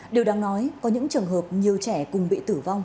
điều đáng nói có những trường hợp nhiều trẻ cùng bị tử vong